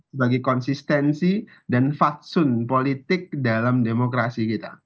sebagai konsistensi dan fatsun politik dalam demokrasi kita